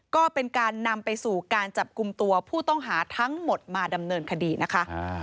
ก็เป็นการนำไปสู่การจับกลุ่มตัวผู้ต้องหาทั้งหมดมาดำเนินคดีนะคะ